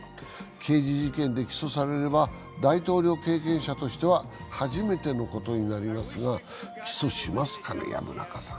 刑事事件で起訴されれば、大統領経験者としては初めてのことになりますが、起訴しますかね。